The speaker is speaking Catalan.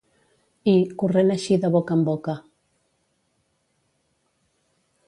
I, corrent així de boca en boca